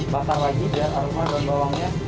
bakar lagi biar arufan daun bawangnya